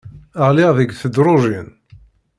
Ɣliɣ deg tedrujin.